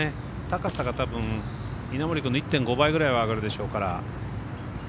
高さがたぶん稲森君の１．５倍ぐらいは上がるでしょうから。